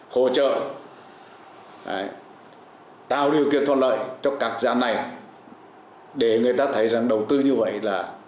hỗ trợ tạo điều kiện thuận lợi cho các dự án này để người ta thấy rằng đầu tư như vậy là